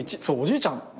そうおじいちゃん。